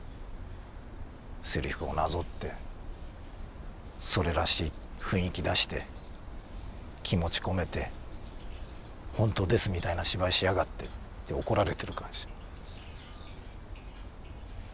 せりふをなぞってそれらしい雰囲気出して気持ち込めて本当ですみたいな芝居しやがってって怒られてる感じする。